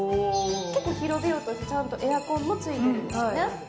結構広々としていて、ちゃんとエアコンもついています。